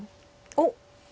おっ！